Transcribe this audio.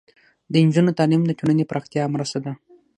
د نجونو تعلیم د ټولنې پراختیا مرسته ده.